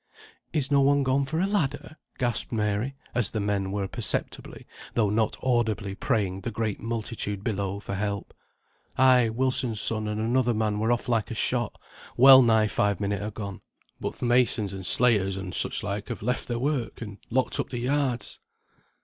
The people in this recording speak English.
"Is no one gone for a ladder?" gasped Mary, as the men were perceptibly, though not audibly, praying the great multitude below for help. "Ay, Wilson's son and another man were off like a shot, well nigh five minute agone. But th' masons, and slaters, and such like, have left their work, and locked up the yards."